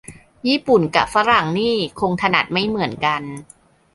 ญี่ปุ่นกะฝรั่งนี่คงถนัดไม่เหมือนกัน